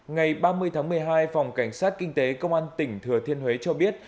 ngày ba mươi tháng một mươi hai phòng cảnh sát kinh tế công an tỉnh thừa thiên huế cho biết